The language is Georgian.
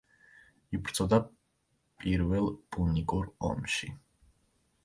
იბრძოდა პირველ პუნიკურ ომში.